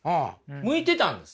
向いてたんです。